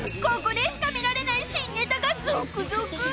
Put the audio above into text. ［ここでしか見られない新ネタが続々！］